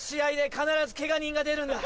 必ずケガ人が出るんだよ